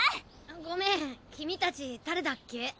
ごめん君たち誰だっけ？